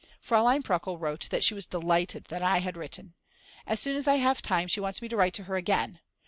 Fraulein Pruckl wrote that she was delighted that I had written. As soon as I have time she wants me to write to her again.